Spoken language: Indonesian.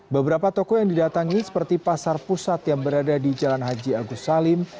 beberapa toko yang didatangi seperti pasar pusat yang berada di jalan haji agus salim